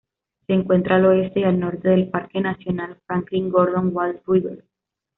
Se encuentra al oeste y al norte del Parque Nacional Franklin-Gordon Wild Rivers.